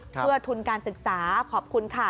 เพื่อทุนการศึกษาขอบคุณค่ะ